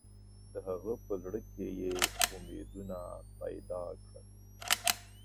د هغه په زړه کې یې امیدونه پیدا کړل.